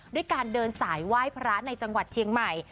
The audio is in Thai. ด้วยการเดินสายไหว้พระในจังหวัดเชียงใหม่